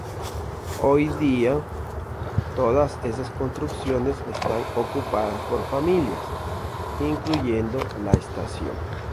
Hoy día, todas esas construcciones están ocupadas por familias, incluyendo la estación.